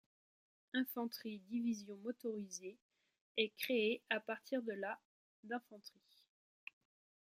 Infanterie Division motorisée est créée à partir de la d'infanterie.